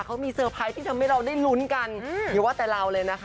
เค้ามีเซอร์ไพรส์ที่ทำให้เราได้ลุ้นกัน